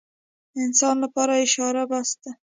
انسان لپاره اشاره بس وي.